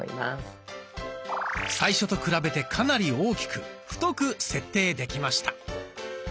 最初と比べてかなり大きく太く設定できました。